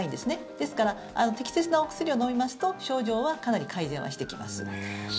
ですから適切なお薬を飲みますと症状はかなり改善はしてきます。